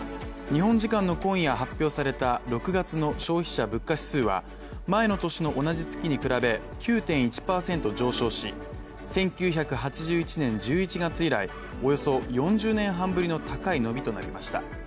日本時間の今夜、発表された６月の消費者物価指数は前の年の同じ月に比べ９．１％上昇し、１９８１年１１月以来、およそ４０年半ぶりの高い伸びとなりました。